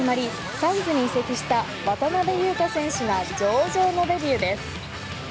サンズに移籍した渡邊雄太選手が上々のデビューです。